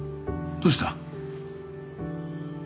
どうした？